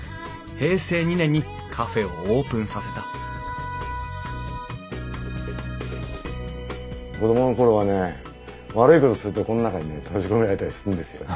平成２年にカフェをオープンさせた子供の頃はね悪いことするとこの中にね閉じ込められたりするんですよ。